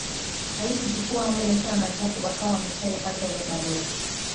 Haikuchukua mud asana Jacob akawa ameshaipata ile barua